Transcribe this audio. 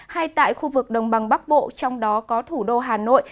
hay tại khu vực đồng bằng bắc bộ trong đó có thủ đô hà nội